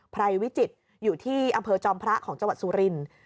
ไรวิจิตรอยู่ที่อำเภอจอมพระของจังหวัดสุรินทร์